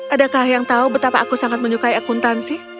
adakah yang tahu betapa aku sangat menyukai akuntansi